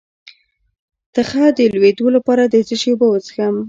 د تخه د لوییدو لپاره د څه شي اوبه وڅښم؟